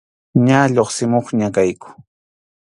Ña lluqsimuqña kayku.